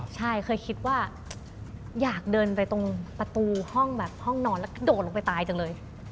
ใช่เคยคิดว่าอยากเดินไปตรงประตูห้องแบบห้องนอนแล้วก็โดดลงไปตายจังเลย